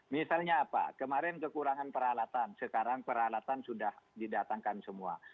misalnya apa kemarin kekurangan peralatan sekarang peralatan sudah didatangkan semua